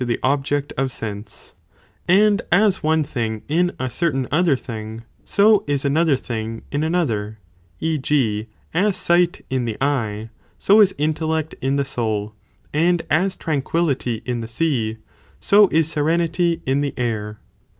inthesame § object of sense, and as one thing in a certain other el thing, so is another thing in another, e. g. as sight in the eye, so is intellect in the soul, and as tranquillity in the sea, so is serenity in the air.